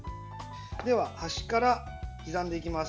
では、端から刻んでいきます。